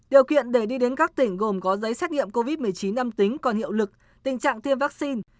điều kiện để đi đến các tỉnh gồm có giấy xét nghiệm covid một mươi chín âm tính còn hiệu lực tình trạng tiêm vaccine